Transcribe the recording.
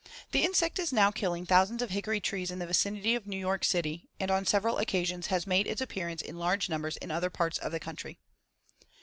The insect is now killing thousands of hickory trees in the vicinity of New York City and on several occasions has made its appearance in large numbers in other parts of the country.